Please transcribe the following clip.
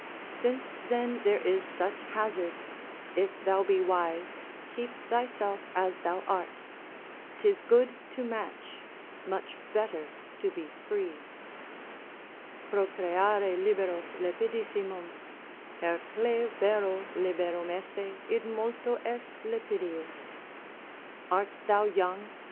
Since then there is such hazard, if thou be wise keep thyself as thou art, 'tis good to match, much better to be free. —procreare liberos lepidissimum. Hercle vero liberum esse, id multo est lepidius. Art thou young?